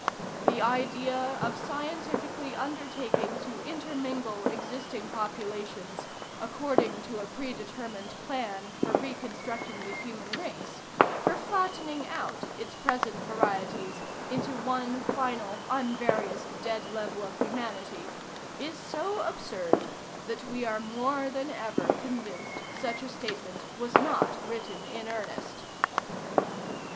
"The idea of scientifically undertaking to intermingle existing populations according to a predetermined plan for reconstructing the human race for flattening out its present varieties into one final unvarious dead level of humanity is so absurd, that we are more than ever convinced such a statement was not written in earnest!"